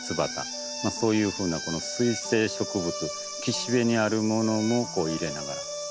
そういうふうなこの水生植物岸辺にあるものも入れながら。